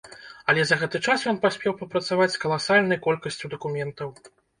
Але за гэты час ён паспеў папрацаваць з каласальнай колькасцю дакументаў.